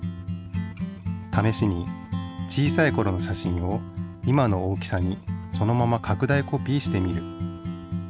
試しに小さいころの写真を今の大きさにそのままかく大コピーしてみる。